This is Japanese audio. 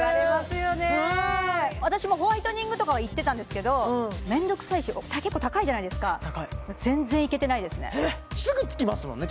私もホワイトニングとかは行ってたんですけどめんどくさいし結構高いじゃないですか高い全然行けてないですねすぐつきますもんね